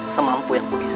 semampu yang ku bisa